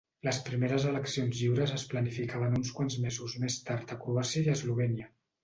Les primeres eleccions lliures es planificaven uns quants mesos més tard a Croàcia i Eslovènia.